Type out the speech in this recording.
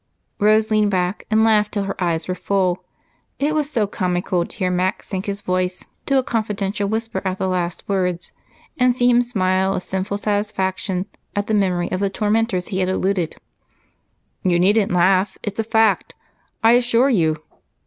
Rose leaned back and laughed until her eyes were full. It was so comical to hear Mac sink his voice to a confidential whisper at the last words and see him smile with sinful satisfaction at the memory of the tormentors he had eluded. "You needn't laugh it's a fact, I assure you.